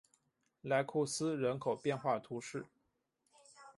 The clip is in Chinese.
莱库斯人口变化图示